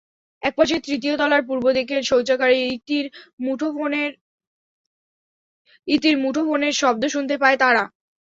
একপর্যায়ে তৃতীয় তলার পূর্ব দিকের শৌচাগারে ইতির মুঠোফোনের শব্দ শুনতে পায় তারা।